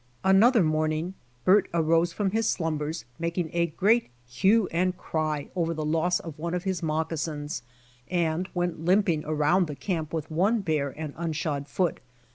Another morning Bert arose from. his slumbers, making a great hue and cry over the loss of one of his moccasins, and went limping around the camp with one bare and unshod foot.